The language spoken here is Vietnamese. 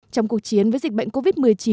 trong cuộc chiến với dịch bệnh covid một mươi chín